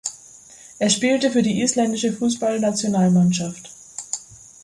Er spielte für die Isländische Fußballnationalmannschaft.